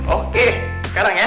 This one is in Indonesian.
oke sekarang ya